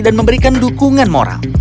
dan memberikan dukungan moral